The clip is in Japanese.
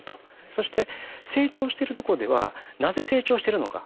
そして成長してるところではなぜ成長しているのか。